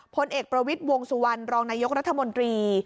พลเอกประวิทย์วงสุวรรณรองนายกรัฐมนตรี